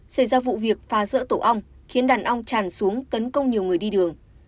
xảy ra vụ việc phá rỡ tổ ong khiến đàn ong tràn xuống tấn công nhiều người đi đường